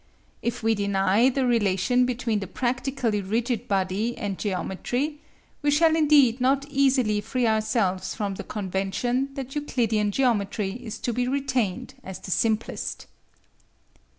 If we deny the relation between the practically rigid body and geometry, we shall indeed not easily free ourselves from the convention that Euclidean geometry is to be retained as the simplest.